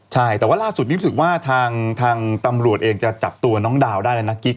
ใช่แต่ว่าล่าสุดนี้รู้สึกว่าทางตำรวจเองจะจับตัวน้องดาวได้แล้วนะกิ๊ก